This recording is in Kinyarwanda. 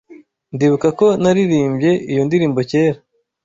Ndibuka ko naririmbye iyo ndirimbo kera.